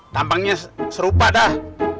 tampangnya serupa dah